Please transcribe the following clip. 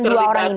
dua orang ini